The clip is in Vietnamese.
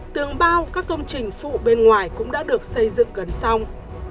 tường bao các công trình phụ bên ngoài cũng đã được xây dựng gần xong